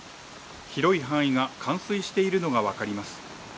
広い範囲が冠水しているのが分かります。